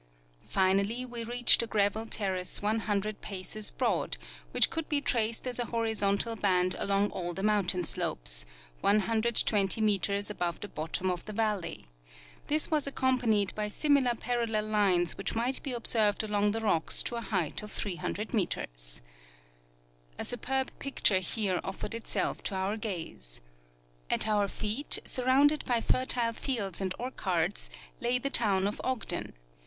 Finally Ave reached a gravel terrace 100 paces broad, Avhich could be traced as a horizontal band along all the mountain slopes, 120 meters above the bottom of the valley ; this was accompanied by similar parallel lines which might be observed along the rocks to a height of 300 meters. A superb picture here offered itself to our gaze. At our feet, surrounded by fertile fields and orchards, lay the toAvn of Ogden.